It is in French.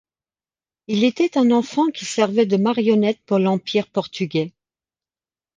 Il était un enfant qui servait de marionnette pour l'Empire portugais.